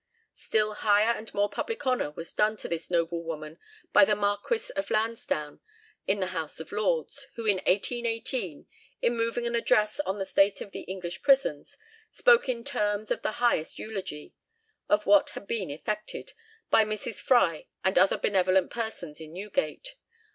Still higher and more public honour was done to this noble woman by the Marquis of Lansdowne in the House of Lords, who in 1818, in moving an address on the state of the English prisons, spoke in terms of the highest eulogy of what had been effected "by Mrs. Fry and other benevolent persons in Newgate."